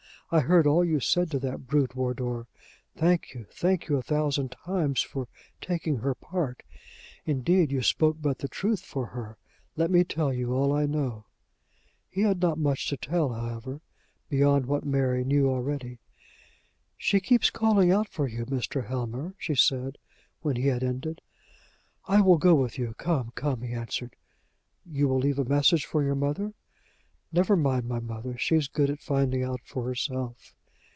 I heard all you said to that brute, Wardour. Thank you, thank you a thousand times, for taking her part. Indeed, you spoke but the truth for her. Let me tell you all I know." He had not much to tell, however, beyond what Mary knew already. "She keeps calling out for you, Mr. Helmer," she said, when he had ended. "I will go with you. Come, come," he answered. "You will leave a message for your mother?" "Never mind my mother. She's good at finding out for herself."